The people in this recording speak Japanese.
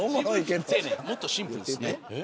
もっとシンプルですね。